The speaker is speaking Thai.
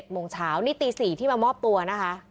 โมงเช้านี่ตี๔ที่มามอบตัวนะคะ